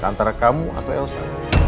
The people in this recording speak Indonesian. antara kamu atau elsa